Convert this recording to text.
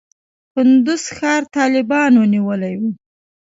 کندز ښار طالبانو نیولی و.